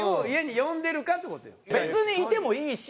別にいてもいいし。